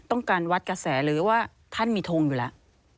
ต้องการวัดกระแสหรือว่าท่านมีทงอยู่แล้ว